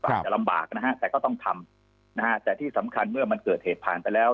อาจจะลำบากนะฮะแต่ก็ต้องทำนะฮะแต่ที่สำคัญเมื่อมันเกิดเหตุผ่านไปแล้ว